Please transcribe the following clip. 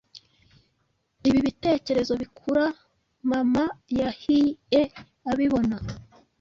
Ibi bitekerezo bikura Mama yahie abibona